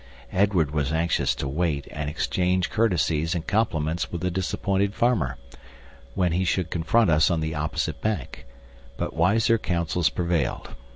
Edward was anxious to wait and exchange courtesies and compliments with the disappointed farmer, when he should confront us on the opposite bank; but wiser counsels prevailed.